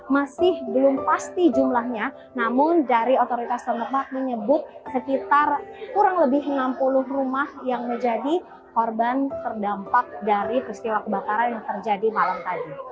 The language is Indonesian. masih belum pasti jumlahnya namun dari otoritas tempat menyebut sekitar kurang lebih enam puluh rumah yang menjadi korban terdampak dari peristiwa kebakaran yang terjadi malam tadi